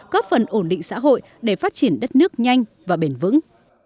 góp phần ổn định xã hội để phát triển đất nước nhanh và bền vững